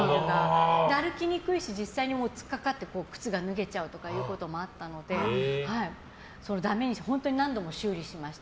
歩きにくいし実際に突っかかって靴が脱げちゃうとかいうこともあったのでダメにして本当に何度も修理しました。